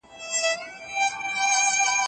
که ته وخت لرې نو دا کتاب حتماً ولوله.